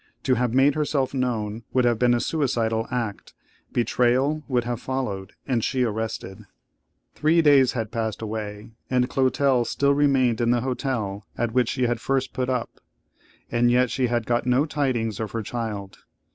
To have made herself known, would have been a suicidal act; betrayal would have followed, and she arrested. Three days had passed away, and Clotel still remained in the hotel at which she had first put up; and yet she had got no tidings of her child.